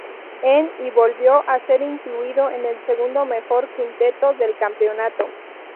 En y volvió a ser incluido en el segundo mejor quinteto del campeonato.